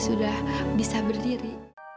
sudah bisa berdiri